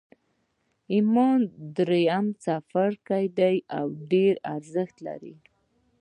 ایمان درېیم څپرکی دی او ډېر ارزښت لري